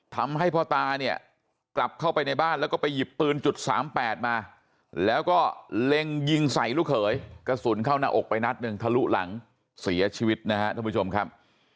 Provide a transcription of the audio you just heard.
ทำให้พ่อตาเนี่ยกลับเข้าไปในบ้านแล้วก็ไปหยิบปืนจุด๓๘มาแล้วก็เล็งยิงใส่ลูกเขยกระสุนเข้าหน้าอกไปนัดหนึ่งทะลุหลังเสียชีวิตนะครับท่านผู้ชมครับ